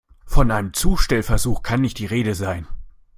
Von einem Zustellversuch kann nicht die Rede sein.